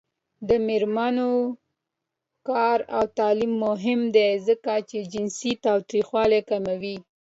د میرمنو کار او تعلیم مهم دی ځکه چې جنسي تاوتریخوالی کموي.